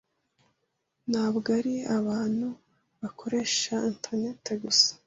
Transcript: ntabwo ari abantu bakoresha internet gusa